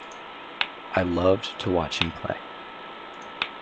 I loved to watch him play.